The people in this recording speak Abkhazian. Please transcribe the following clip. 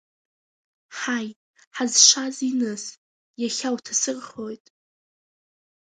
Ҳаи, ҳазшаз иныс, иахьа уҭасырхоит.